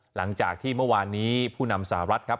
หลังจากที่เมื่อวานนี้ผู้นำสหรัฐครับ